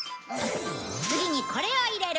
次にこれを入れる。